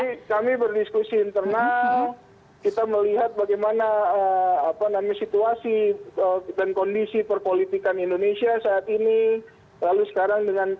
jadi kami berdiskusi internal kita melihat bagaimana situasi dan kondisi perpolitikan indonesia saat ini lalu sekarang dengan